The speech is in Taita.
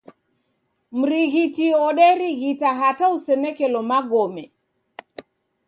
Mrighiti woderighita hata usenekelo magome.